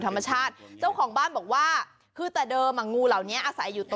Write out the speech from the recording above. ธรรมชาติเจ้าของบ้านบอกว่าคือแต่เดิมอ่ะงูเหล่านี้อาศัยอยู่ตรง